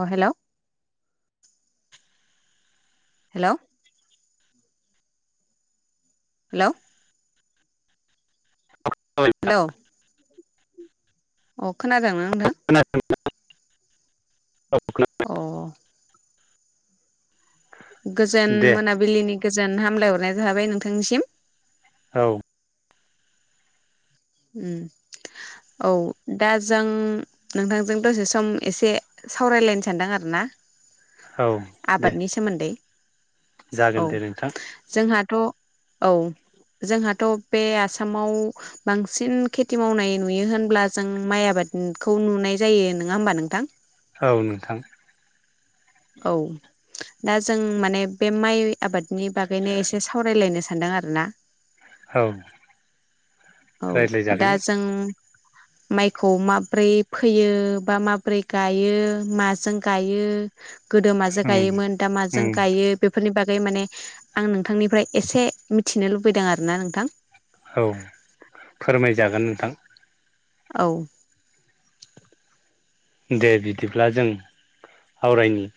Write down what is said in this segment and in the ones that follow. अ hello hello hello hello अ खोनादोंना नोंथां औ अ गोजोन दे मोनाबिलिनि गोजोन हामलायहरनाय थाबाय नोंथांनिसिम औ अम औ दा जों नोंथांजों दसे सम एसे सावरायलायनो सानदों आरो ना औ दे आबादनि सोमोन्दै औ जागोन दे नोंथां जोंहा थ औ जोंहाथ बे आसामाव बांसिन खेथि मावनाय नुयो होनब्ला जों माइ आबादखौ नुनाय जायो नङा होमबा नोंथां। औ नोंथां। औ दा जों माने बे माइ आबादनि बागैनो एसे सावरायलायनो सानदों आरो ना औ औ रायज्लायजागोन दाजों माइखौ माबोरै फोयो बा माबोरै गायो माजों गायो गोदो माजों उम गायोमोन दा माजों उम गायो बेफोरनि बागै बे माने आं नोंथांनिफ्राय एसे मिथिनो लुबैदों आरो ना नोंथां। औ फोरमायजागोन नोंथां। औ दे बिदिब्ला जों आवरायनि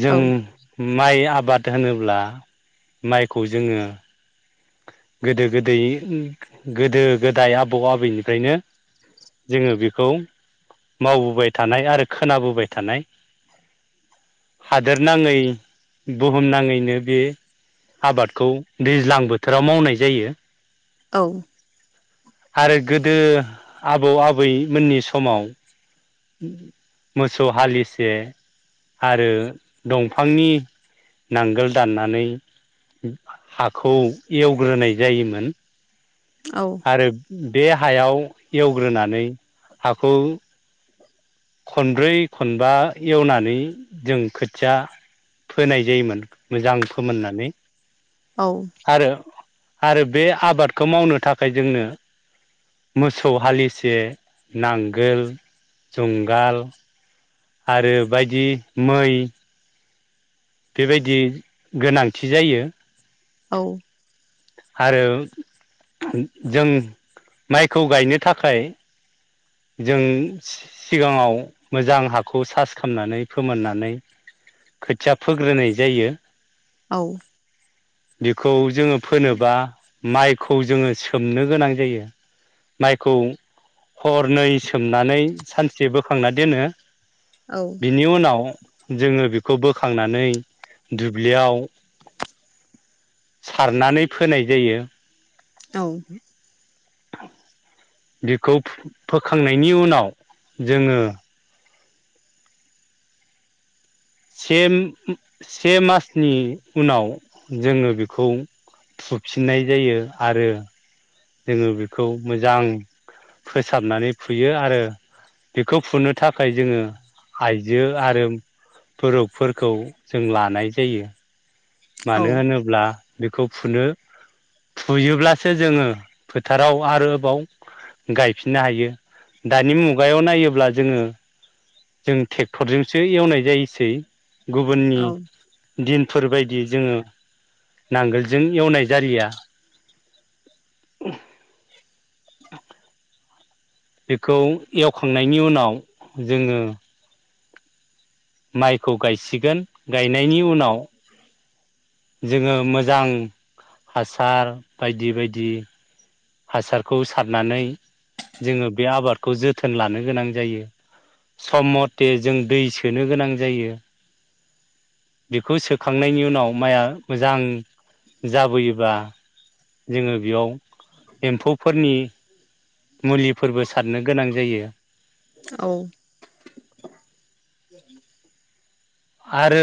जों औ अम माइ आबाद होनोब्ला माइखौ जोङो गोदो गोदै गोदो गोदाय आबौ आबैनिफ्रायनो जोङो बेखौ मावबोबाय थानाय आरो खोनाबोबाय थानाय हादोर नाङै बुहुम नाङैनो बे आबादखौ दैज्लांबोथ बोथोराव मावनाय जायो औ आरो गोदो आबौ आबैमोननि समाव मोसौ हालिसे आरो दंफांनि नांगोल दाननानै हाखौ एवग्रोनाय जायोमोन औ आरो बे हायाव एवग्रोनानै हाखौ खनब्रै खनबा एवनानै जों खोथिया फोनाय जायोमोन मोजां फोमोननानै औ आरो आरो बे आबादखौ मावनो थाखाय जोंनो मोसौ हालिसे नांगोल जुंगाल आरो बायदि मै बेबायदि गोनांथि जायो औ आरो जों माइखौ गायनो थाखाय जों सिगाङाव मोजां हाखौ सास खालामनानै फोमोननानै खोथिया फोग्रोनाय जायो। औ बेखौ जोङो फोनोबा माइखौ जोङो सोमनो गोनां जायो माइखौ हरनै सोमनानै सानसे बोखांना दोनो औ बिनि उनाव जोङो बेखौबो खांनानै दुब्लियाव सारनानै फोनाय जायो औ। बेखौ फोखांनायनि उनाव जोङो सेम से मासनि उनाव जोङो बेखौ फुफिननाय जायो आरो जोङो बेखौ मोजां फोसाबनानै फुयो आरो बेखौ फुनो थाखाय जोङो आइजो आरो बर'फोरखौ जों लानाय जायो। मानो होनोब्ला बेखौ फुनो फुयोब्लासो जोङो फोथाराव आरोबाव गायफिननो हायो दानि मुगायाव नायोब्ला जोङो जों ट्रेक्टरजोंसो एवनाय जायोसै। गुबुननि औ दिन फोरबायदि जोङो नांगोलजों एवनाय जालिया उम बेखौ एवखांनायनि उनाव जोङो माइखौ गायसिगोन गायनायनि उनाव जोङो मोजां हासार बायदि बायदि हासारखौ सारनानै जोङो बे आबादखौ जोथोन लानो गोनां जायो सम मथे जों दै सोनो गोनां जायो बेखौ सोखांनायनि उनाव माइया मोजां जाबोयोबा जोङो बेयाव एम्फौफोरनि मुलिफोरबो सारनो गोनां जायो। औ आरो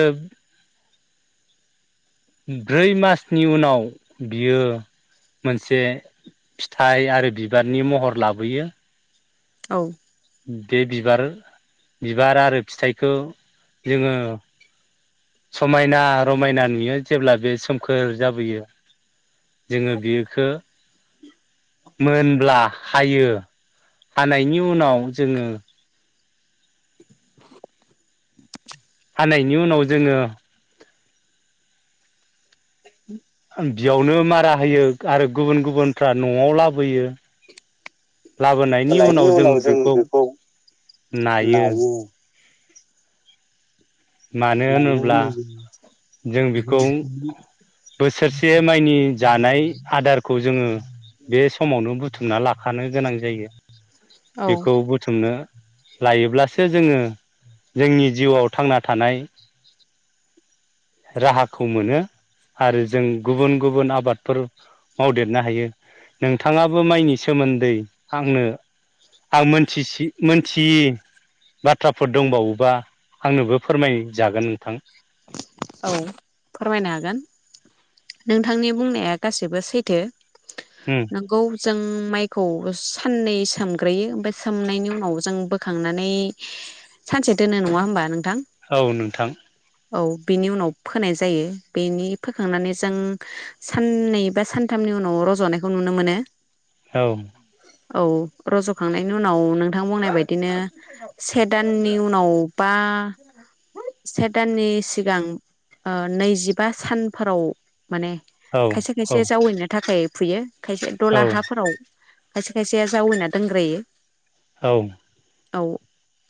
ब्रै मासनि उनाव बियो मोनसे फिथाइ आरो बिबारनि महर लाबोयो औ । बे बिबार-बिबार आरो फिथाइखौ जोङो समायना रमायना नुयो जेब्ला बे सोमखोर जाबोयो । जोङो बेखो मोनब्ला हायो हानायनि उनाव जोङो हानायनि उनाव जोङो बियावनो मारा होयो आरो गुबुन गुबुनफ्रा न'आव लाबोयो । लाबोनायनि उनाव जों बेखौ नायो । मानो होनोब्ला नानानै जों जों बेखौ बोसोरसे माइनि जानाय आदारखौ जोङो बे समावनो बुथुमना लाखानो गोनां जायो औ बेखौ बुथुमनो लायोब्लासो जोङो जोंनि जिउआव थांना थानाय राहाखौ मोनो आरो जों गुबुन गुबुन आबादफोर मावदेरनो हायो नोंथाङाबो माइनि सोमोन्दै आंनो आं मोनथिसि मोनथियै बाथ्राफोर दंबावोबा आंनोबो फोरमायजागोन नोंथां । औ फोरमायनो हागोन नोंथांनि बुंनाया गासिबो सैथो । उम नंगौ ‌ जों माइखौ साननै सोमग्रोयो ओमफ्राय सोमनायनि उनाव जों बोखांनानै सानसे दोनो नङा होमबा नों औ नोंथां । औ बेनि उनाव फोनाय जायो बेनि फोखांनानै जों साननै बा सानथामनि उनाव रज'नायखौ नुनो मोनो । औ । औ रज'खांनायनि उनाव नोंथां बुंनाय बायदिनो से दाननि उनाव बा से दाननि सिगां ओ नैजिबा सानफोराव माने औ खायसे औ खायसे जावैनो थाखाय फुयो । खायसे दला औ हाफोराव खायसे खायसेया जावैना दोनग्रायो । औ । औ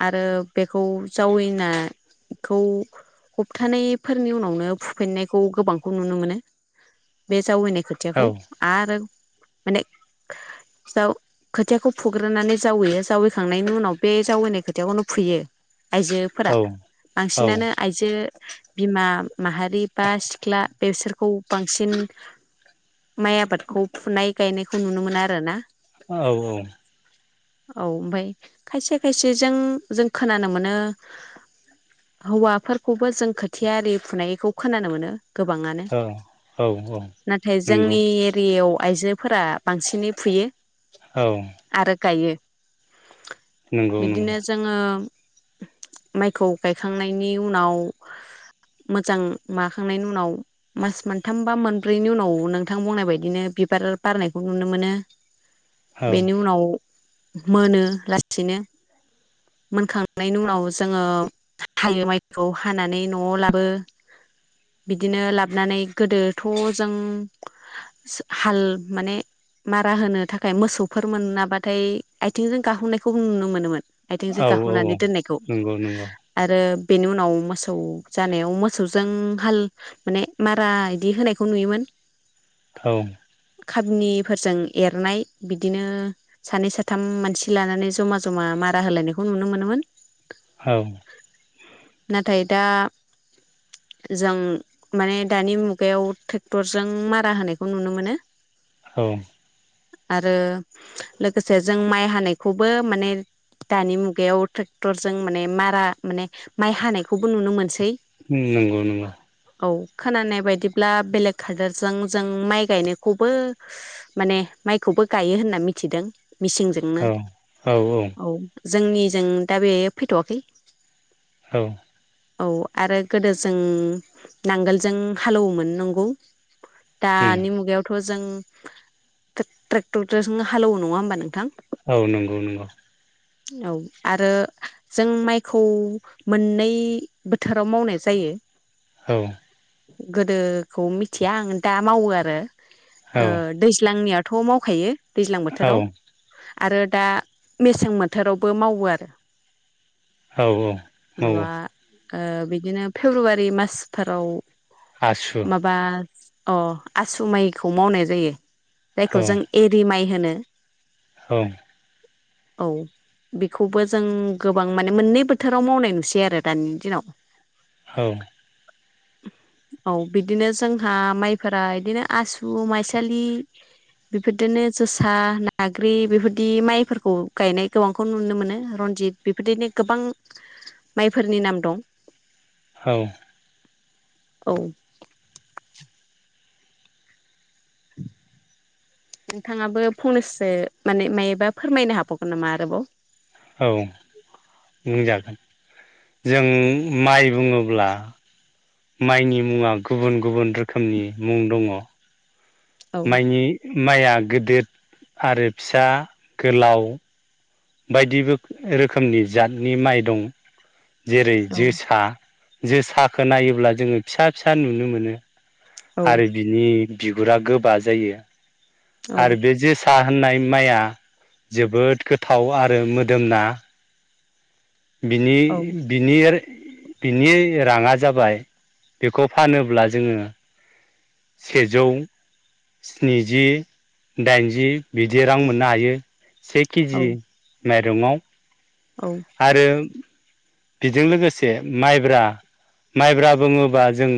आरो बेखौ जावैनाखौ हप्थानायफोरनि उनावनो फुफिननायखौ गोबांखौ नुनो मोनो बे जावैनाय खोथियाखौ औ आरो माने जाव खोथियाखौ फुग्रोनानै जावैयो जावैखांनायनि उनाव बे जावैनाय खोथियाखौनो फुयो । आयजोफोरा औ औ बांसिनानो आयज ओ बिमा माहारि बा सिख्ला बेसोरखौ बांसिन माइ आबादखौ फुनाय गायनायखौ नुनो मोनो आरो ना । औ औ । औ ओमफाय खायसे खायसेजों जों खोनानो मोनो हौवाफोर खौबो जों खोथिया आरि फुनायखौ खोनानो मोनो । गोबाङानो औ औ औ नाथाय नंगौ जोंनि एरियायाव आइजोफोरा बांसिनै फुयो । औ गायो नंगौ बिदिनो नंगौ जोङो माइखौ गायखांनायनि उनाव मोजां माखांनायनि उनाव मास मोनथाम बा मोनब्रैनि उनाव नोंथां बुंनाय बायदिनो बिबार बारनायखौ नुनो मोनो। औ बेनि उनाव मोनो लासैनो मोनखांनायनि उनाव जोङो हायो माइ खौ हानानै न'आव लाबो बिदिनो लाबोनानै गोदोथ' जों हाल माने मारा होनो थाखाय मोसौफोर मोनाबाथाय आथिंजों गाहोननायखौ नुनो मोनोमोन। आथिंजों औ औ औ गाखोनानै दोननायखौ नंगौ नंगौ आरो बेनि उनाव मोसौ जानायाव मोसौजों हाल माने मारा इदि होनायखौ नुयोमोन। औ खाबनिफोरजों एरनाय बिदिनो सानै साथाम मानसि लानानै जमा जमा मारा होलायनायखौ नुनो मोनोमोन। औ नाथाय दा जों माने दानि मुगायाव ट्रेक्टरजों मारा होनायखौ नुनो मोनो। औ आरो लोगोसे जों माइ हानायखौबो माने दानि मुगायाव ट्रेक्टरजों माने मारा माने माइ हानायखौबो नुनो मोनसै नंगौ नंगौ औ। खोनानाय बायदिब्ला बेलेग हादोरजों जों माइ गायनायखौबो माने माइखौबो गायो होनना मिथिदों। मिसिंजोंनो औ औ औ। जोंनिजों दा बे फैथवाखै । औ औ आरो गोदो जों नांगोलजों हालौवोमोन नंगौ। दानि मुगायावथ जों ट्रेक ट्रेक्टरजों हालौवो नङा होमबा नोंथां? औ नंगौ नंगौ। औ आरो जों माइखौ मोननै बोथोराव मावनाय जायो। औ गोदोखौ मिथिया आं दा मावो आरो। ओ दैज्लांनिया थ मावखायो। दैज्लां औ बोथोराव आरो दा मेसें बोथोरावबो मावो आरो। औ औ औ माबा औ। ओ बिदिनो फेब्रुवारि मासफोराव आसु माबा अ आसु माइखौ मावनाय जायो। औ जायखौ जों एरि माइ होनो। औ औ बेखौबो जों गोबां माने मोननै बोथ बोथोराव मावनाय नुसै आरो दानि दिनाव। औ औ बिदिनो जोंहा माइफोरा इदिनो आसु माइसालि बेफोरदिनो जोसा नाग्रि बेफोरदि माइफोरखौ गायनाय गोबांखौ नुनो मोनो रनजित बेफोरदिनो गोबां माइफोरनि नाम दं। औ औ नोंथाङाबो फंनैसो माने मायोबा फोरमायनो हाबावगोन नामा आरोबाव? औ बुंजागोन जों माइ बुङोब्ला माइनि मुङा गुबुन गुबुन रोखोमनि मुं दङ। औ माइनि माइया गेदेद आरो फिसा गोलाव बायदि रोखम रोखोमनि जातनि माइ दं जेरै औ जोसा जोसाखौ नायोब्ला जोङो फिसा फिसा नुनो मोनो औ आरो बिनि बिगुरा गोबा जायो औ आरो बेे सा होननाय माइया जोबोद गोथाव गोथाव आरो मोदोमना बिनि औ बिनि आरो बिनि राङा जाबाय बेखौ फानोब्ला जोङो सेजौ स्निजि दाइनजि बिदि रां मोननो हायो। सेखिजि औ माइरङाव औ आरो बेजों लोगोसे माइब्रा माइब्रा बुङोबा जों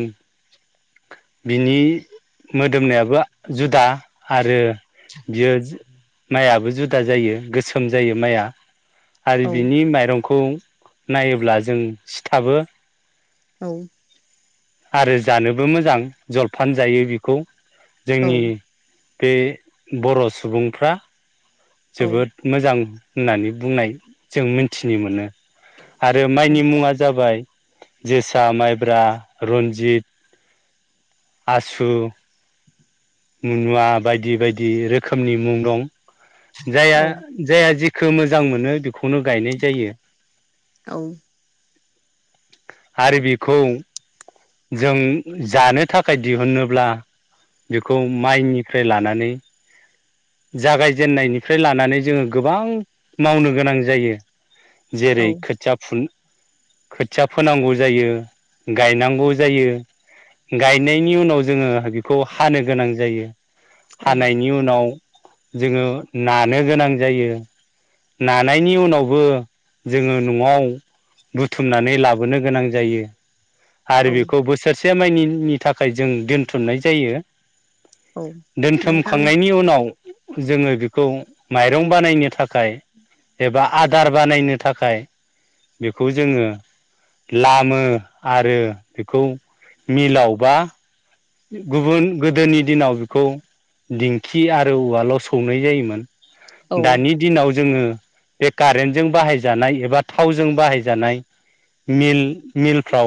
बिनि मोदोमनायाबो जुदा आरो बियो माइयाबो जुदा जायो गोसोम जायो माइआ‌ आरो बिनि औ माइरंखौ नायोब्ला जों सिथाबो औ आरो जानोबो मोजां जलफान जायो बेखौ औ जोंनि बे बर' सुबुंफ्रा जोबोद मोजां होननानै बुंनाय जों मिथिनो मोनो। आरो माइनि मुङा जाबाय जोसा माइब्रा रन्जित आसु मनुवा बायदि बायदि रोखोमनि मुं दं जाया जाहा जि मोजां मोनो खौनो गायनाय जायो आरो बेखौ जों जानो थाखाय दिहुनोब्ला बेखौ माइनिफ्राय लानानै जागायजेननायनिफ्राय लानानै जोङो गोबां मावनो गोनां जायो जेरै खोथिया फुन खोथिया फोनांगौ जायो गायनांगौ जायो गायनायनि उनाव जोङो बेखौ हानो गोनां जायो औ हानायनि उनाव जोङो नानो गोनां जायो नानायनि उनावबो जोङो न'आव बुथुमनानै लाबोनो गोनां जायो आरो औ बेखौ बोसोरसे से माइनिनि थाखाय थाखाय जों दोनथुमनाय जायो औ नोंथां दोनथुमखांनायनि उनाव जोङो बेखौ माइरं बानायनो थाखाय एबा आदार बानायनो थाखाय बेखौ जोङो लामो आरो बेखौ मिलाव बा गुबुन गोदोनि दिनाव बेखौ दिंखि आरो औवाल' सौनाय जायोमोन औ दानि दिनाव जोङो बे कारेन्टजों बाहायजानाय एबा थावजों बाहायजानाय मिल मिलफ्राव